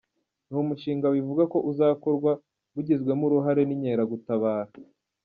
Ni umushinga bivugwa ko uzakorwa bugizwemo uruhare n’Inkeragutabara.